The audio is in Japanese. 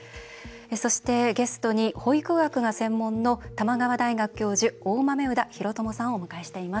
そして、ゲストに保育学が専門の玉川大学教授大豆生田啓友さんをお迎えしています。